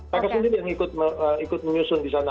mereka sendiri yang ikut menyusun di sana